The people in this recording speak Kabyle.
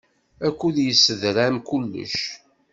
Akud yessedram kullec.